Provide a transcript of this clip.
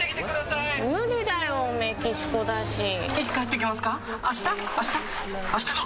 いつ帰ってきますか？